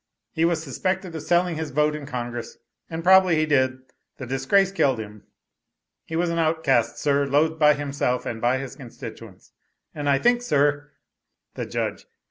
He was suspected of selling his vote in Congress, and probably he did; the disgrace killed him, he was an outcast, sir, loathed by himself and by his constituents. And I think, sir" The Judge.